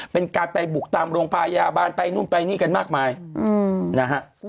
เป็นการไปบุกตามโรงพยาบาลไปนู่นไปนี่กันมากมายนะฮะ